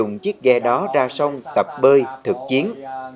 ghe đó ra sông tập bơi thực chiến